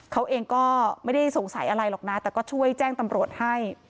เขาเองก็ไม่ได้สงสัยอะไรหรอกนะแต่ก็ช่วยแจ้งตำรวจให้